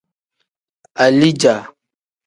Alija.